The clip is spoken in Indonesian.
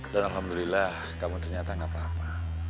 dan alhamdulillah kamu ternyata gak apa apa